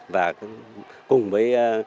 và cùng với các giáo viên